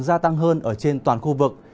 gia tăng hơn ở trên toàn khu vực